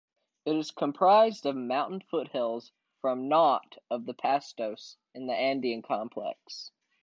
It is comprised of mountain foothills from Knot of the Pastos, in the Andean complex.